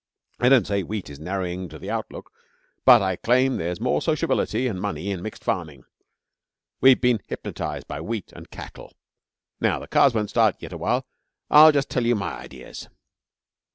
I don't say Wheat is narrowing to the outlook, but I claim there's more sociability and money in mixed farming. We've been hypnotised by Wheat and Cattle. Now the cars won't start yet awhile I'll just tell you my ideas.'